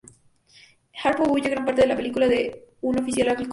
Harpo huye gran parte de la película de un oficial alcohólico.